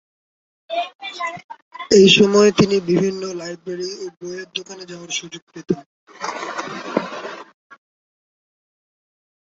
এই সময়ে তিনি বিভিন্ন লাইব্রেরি ও বইয়ের দোকানে যাওয়ার সুযোগ পেতেন।